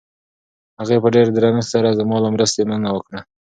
هغې په ډېر درنښت سره زما له مرستې مننه وکړه.